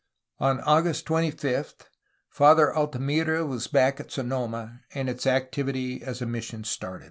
On August 25 Father Altimira was back at Sonoma, and its activity as a mission started.